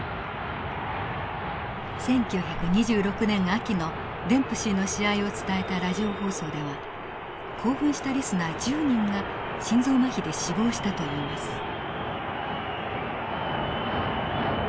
１９２６年秋のデンプシーの試合を伝えたラジオ放送では興奮したリスナー１０人が心臓まひで死亡したといいます。